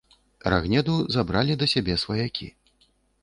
Рагнеду забралі да сябе сваякі.